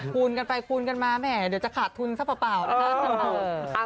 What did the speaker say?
คูณกันไปคูณกันมาแหมเดี๋ยวจะขาดทุนซะเปล่านะคะ